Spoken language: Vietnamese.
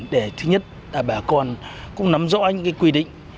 để thứ nhất là bà con cũng nắm rõ những quy định